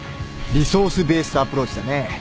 リソースベーストアプローチだね。